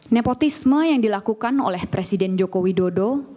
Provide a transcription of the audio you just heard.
nepotisme yang dilakukan oleh presiden joko widodo